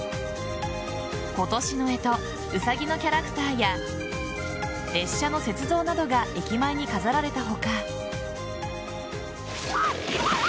今年の干支ウサギのキャラクターや列車の雪像などが駅前に飾られた他。